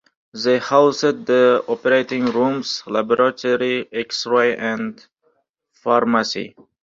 They housed the operating rooms, laboratory, X-ray, and pharmacy.